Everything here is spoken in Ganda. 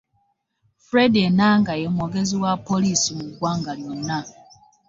Fred enanga ye mwogezi wa poliisi mu ggwanga lyonna.